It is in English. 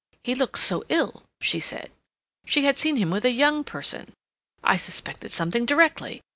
He looked so ill, she said. She had seen him with a young person. I suspected something directly.